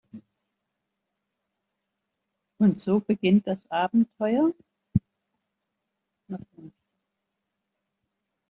Und so beginnt das Abenteuer.